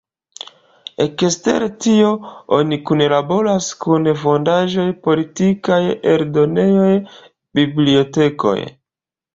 Ekster tio oni kunlaboras kun fondaĵoj politikaj, eldonejoj, bibliotekoj.